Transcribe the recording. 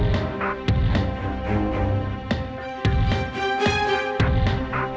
terima kasih drawer penggantinya